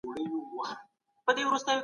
که څه هم پیل به ستونزمن وي.